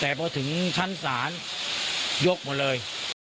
แต่พอถึงชั้นศาลยกหมดเลย